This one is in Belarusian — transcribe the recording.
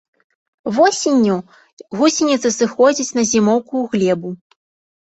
Восенню гусеніцы сыходзяць на зімоўку ў глебу.